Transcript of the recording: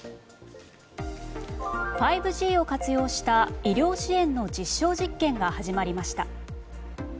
５Ｇを活用した医療支援の実証実験が始まりました。